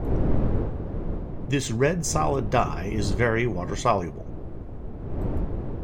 This red solid dye is very water-soluble.